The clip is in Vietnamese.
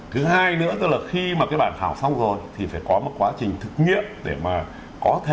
thứ hai nữa là khi bản thảo xong rồi thì phải có một quá trình thực nghiệm để có thể